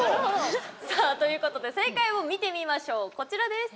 ということで、正解を見てみましょう、こちらです。